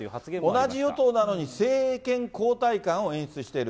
同じ与党なのに、政権交代感を演出している。